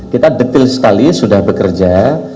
kita detail sekali sudah bekerja